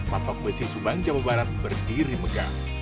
patok besi subang jawa barat berdiri megah